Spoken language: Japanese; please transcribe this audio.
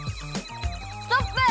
ストップ！